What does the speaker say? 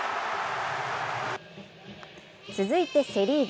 続いてセ・リーグ。